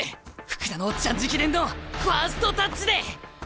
福田のオッチャン直伝のファーストタッチで！